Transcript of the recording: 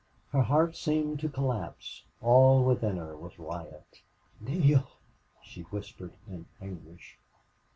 Her heart seemed to collapse. All within her was riot. "Neale!" she whispered, in anguish.